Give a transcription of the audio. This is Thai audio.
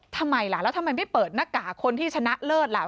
ทำไมล่ะแล้วทำไมไม่เปิดหน้ากากคนที่ชนะเลิศล่ะ